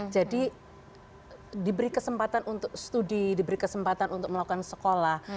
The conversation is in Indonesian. jadi diberi kesempatan untuk studi diberi kesempatan untuk melakukan sekolah